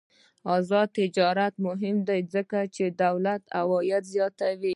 آزاد تجارت مهم دی ځکه چې دولت عاید زیاتوي.